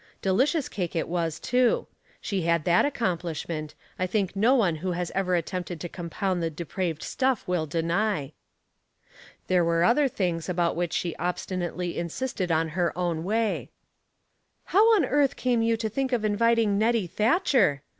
Delicious cake it was, too. She had that accomplishment, I think no one who has ever attempted to compound the de praved stuff will deny. There were other things Opposing Mements, 217 about which she obstinately insisted on her own way. " How on earth came you to think of inviting Nettie Thatcher